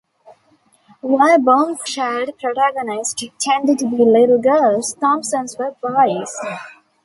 While Baum's child protagonists tended to be little girls, Thompson's were boys.